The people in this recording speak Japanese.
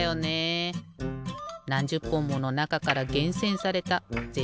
なんじゅっぽんものなかからげんせんされたぜ